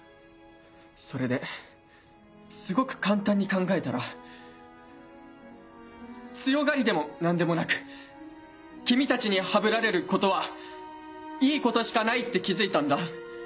それですごく簡単に考えたら強がりでも何でもなく君たちにハブられることはいいことしかないって気付いたんだ。